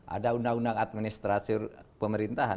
ada undang undang administrasi pemerintahan